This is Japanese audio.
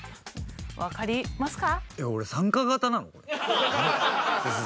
わかりますか？